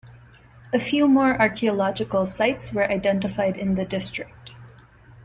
A few more archaeological sites were identified in the district.